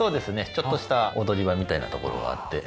ちょっとした踊り場みたいな所があって。